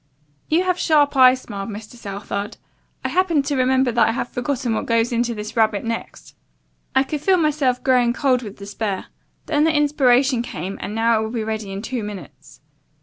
"You have sharp eyes," smiled Mr. Southard. "I happened to remember that I had forgotten what goes into this rarebit next. I could feel myself growing cold with despair. Then the inspiration came and now it will be ready in two minutes."